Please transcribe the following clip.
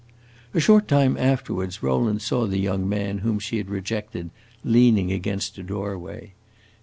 A short time afterwards Rowland saw the young man whom she had rejected leaning against a doorway.